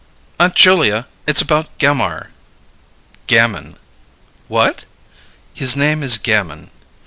"Aunt Julia, it's about Gammire." "Gamin." "What?" "His name is Gamin."